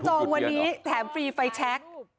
จองวันนี้แถมฟรีไฟแชค